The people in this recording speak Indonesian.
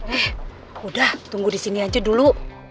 eh udah tunggu di sini aja dulu